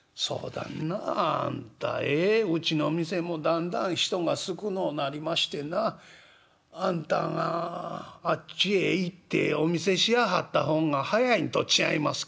うちの店もだんだん人が少のうなりましてなあんたがあっちへ行ってお店しやはった方が早いんと違いますか？」。